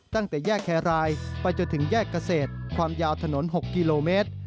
ตั้งแต่แยกแครรายไปจนถึงแยกเกษตรความยาวถนน๖กิโลเมตร